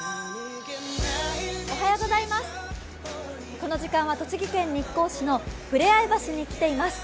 この時間は栃木県日光市のふれあい橋に来ています。